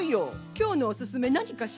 今日のおすすめ何かしら？